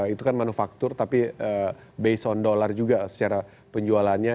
itu kan manufaktur tapi berdasarkan dolar juga secara penjualannya